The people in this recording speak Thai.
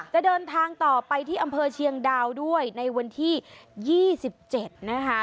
จะเดินทางต่อไปที่อำเภอเชียงดาวด้วยในวันที่๒๗นะคะ